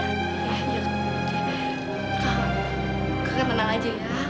kakak tenang aja ya